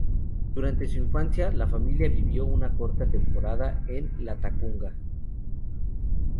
Durante su infancia, la familia vivió una corta temporada en Latacunga.